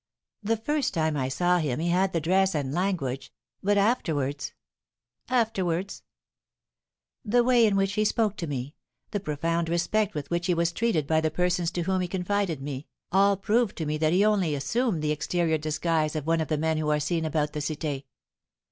"The first time I saw him he had the dress and language; but afterwards " "Afterwards?" "The way in which he spoke to me, the profound respect with which he was treated by the persons to whom he confided me, all proved to me that he had only assumed the exterior disguise of one of the men who are seen about the Cité."